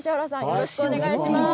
よろしくお願いします。